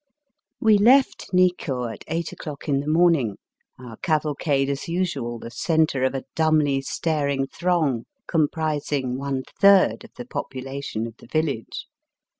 We left Nikko at eight o'clock in the morn ing, our cavalcade as nsual the centre of a dumbly staring throng comprising one third of the population of the village.